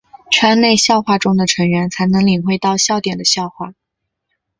圈内笑话中的成员才能领会到笑点的笑话。